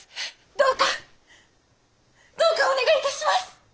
どうかどうかお願い致します！